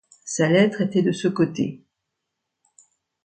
Sa lettre était de ce côté.